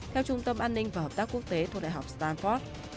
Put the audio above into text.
theo trung tâm an ninh và hợp tác quốc tế thuộc đại học stanford